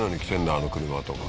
あの車とか